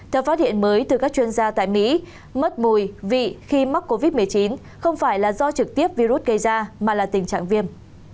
theo phát hiện mới từ các chuyên gia tại mỹ mất mùi vị khi mắc covid một mươi chín không phải là do trực tiếp virus gây ra mà là tình trạng viêm